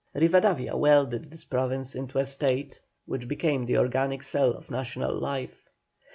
Rivadavia welded this province into a State, which became the organic cell of national life.